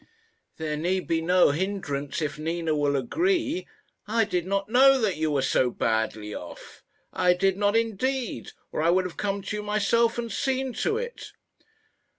There need be no hindrance if Nina will agree. I did not know that you were so badly off. I did not indeed, or I would have come to you myself and seen to it."